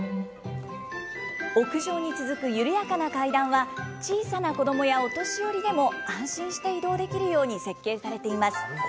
屋上に続く緩やかな階段は、小さな子どもやお年寄りでも安心して移動できるように設計されています。